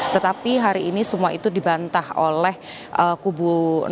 tetapi hari ini semua itu dibantah oleh kubu dua